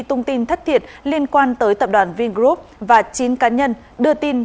thông tin thất thiệt liên quan tới tập đoàn vingroup và chín cá nhân đưa tin